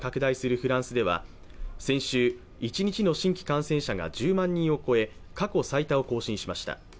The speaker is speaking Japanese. フランスでは先週、一日の新規感染者が１０万人を超え過去最多を更新しました。